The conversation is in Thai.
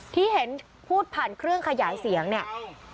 ที่เห็นพูดผ่านเครื่องขยายเสียงเนี่ย